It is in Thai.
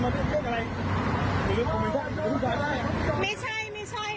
ไม่ใช่ไม่ใช่